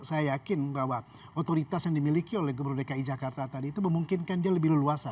saya yakin bahwa otoritas yang dimiliki oleh gubernur dki jakarta tadi itu memungkinkan dia lebih leluasa